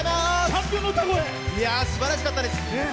すばらしかったです。